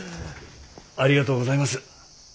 ありがとうございます。